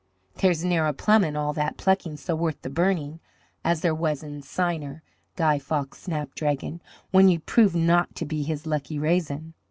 There's ne'er a plum in all that plucking so worth the burning as there was in Signer Guy Fawkes' snapdragon when ye proved not to be his lucky raisin."